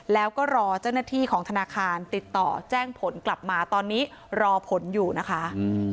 แล้วก็รอเจ้าหน้าที่ของธนาคารติดต่อแจ้งผลกลับมาตอนนี้รอผลอยู่นะคะ